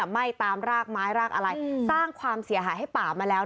ไหม้ตามรากไม้รากอะไรสร้างความเสียหายให้ป่ามาแล้ว